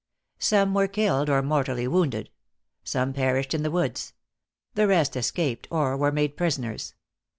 Some were killed, or mortally wounded; some perished in the woods; the rest escaped, or were made prisoners.